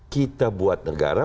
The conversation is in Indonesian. kita buat negara